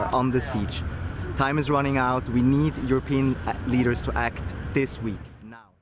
waktunya sudah berakhir kita butuh para pemimpin eropa untuk berfungsi sekarang